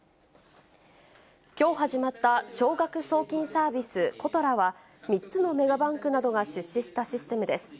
きょう始まった少額送金サービス、ことらは、３つのメガバンクなどが出資したシステムです。